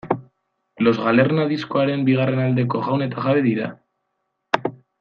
Los Galerna diskoaren bigarren aldeko jaun eta jabe dira.